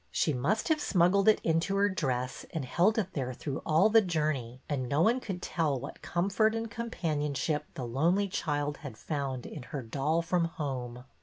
She must have smuggled it into her dress and held it there through all the journey, and no one could tell what comfort and com panionship the lonely child had found in her doll from home.